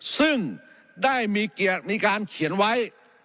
ซึ่งได้มีการเขียนไว้